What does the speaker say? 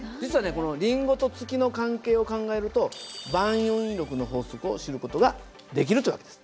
このリンゴと月の関係を考えると万有引力の法則を知る事ができるという訳です。